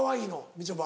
みちょぱ。